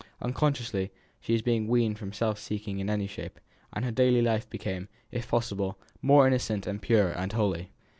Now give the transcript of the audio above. Unconsciously, she was being weaned from self seeking in any shape, and her daily life became, if possible, more innocent and pure and holy.